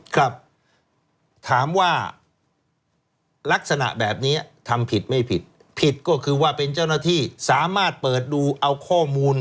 ครับถามว่าลักษณะแบบนี้ทำผิดไม่ผิดผิดก็คือว่าเป็นเจ้าหน้าที่สามารถเปิดดูเอาข้อมูล